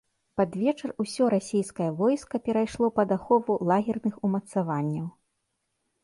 Пад вечар усё расійскае войска перайшло пад ахову лагерных умацаванняў.